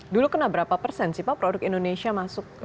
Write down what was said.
dulu kena berapa persen sih pak produk indonesia masuk